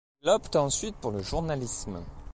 Il opte ensuite pour le journalisme.